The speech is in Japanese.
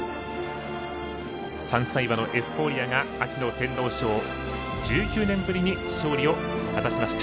３歳馬のエフフォーリアが秋の天皇賞１９年ぶりに勝利を果たしました。